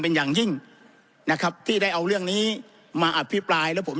เป็นอย่างยิ่งนะครับที่ได้เอาเรื่องนี้มาอภิปรายแล้วผม